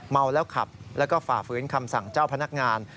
เมาแล้วขับแล้วก็ฝ่าฝืนคำสั่งเจ้าพนักงาน